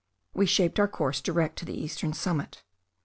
We shaped our course direct to the eastern summit.